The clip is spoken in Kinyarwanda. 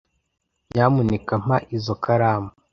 Nyamuneka mpa izoi karamu.